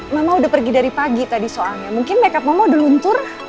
mama udah pergi dari pagi tadi soalnya mungkin makeup mama diluntur